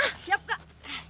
ah siap kak